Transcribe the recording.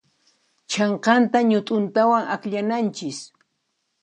Chhanqanta ñut'untawan akllananchis.